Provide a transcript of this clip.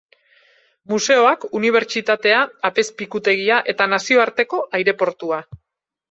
Museoak, unibertsitatea, apezpikutegia eta nazioarteko aireportua.